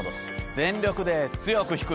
全力で強く引く。